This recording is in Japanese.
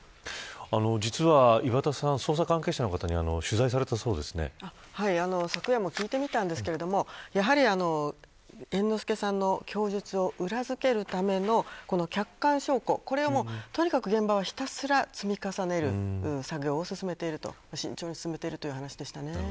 実は岩田さん捜査関係者の方にはい、昨夜も聞いてみたんですけれども猿之助さんの供述を裏付けるための客観証拠、これをとにかく現場はひたすら積み重ねる作業を慎重に進めているという話でしたね。